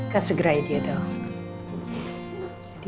kan segera aja dong